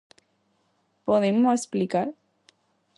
Pódenmo explicar?